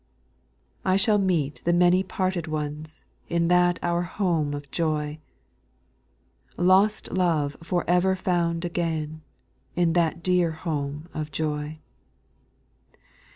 8. I shall meet the many parted ones, In that our home of joy : Lost love for ever found again, In that dear home of joy.